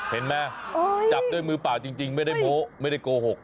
เห็นไหมจับด้วยมือเปล่าจริงไม่ได้โม้ไม่ได้โกหก